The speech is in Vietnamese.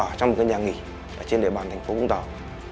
ở trong một nhà nghỉ trên địa bàn thành phố vũng tàu